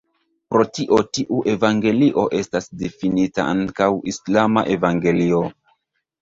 Pro tio tiu evangelio estas difinita ankaŭ "islama evangelio".